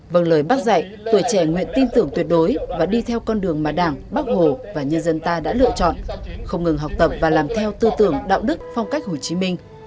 vâng lời bác dạy tuổi trẻ nguyện tin tưởng tuyệt đối và đi theo con đường mà đảng bác hồ và nhân dân ta đã lựa chọn không ngừng học tập và làm theo tư tưởng đạo đức phong cách hồ chí minh